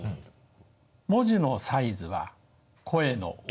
文字のサイズは声の大きさ。